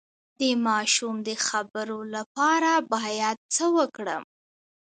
د ماشوم د خبرو لپاره باید څه وکړم؟